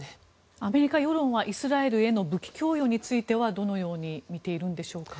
アメリカ世論はイスラエルへの武器供与についてはどのように見ているのでしょうか。